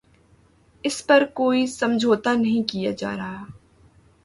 اس پر کوئی سمجھوتہ نہیں کیا جارہا